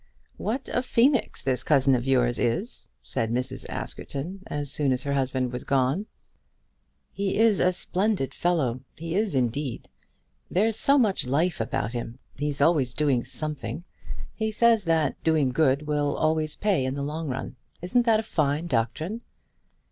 "What a phoenix this cousin of yours is," said Mrs. Askerton, as soon as her husband was gone. "He is a splendid fellow; he is indeed. There's so much life about him! He's always doing something. He says that doing good will always pay in the long run. Isn't that a fine doctrine?"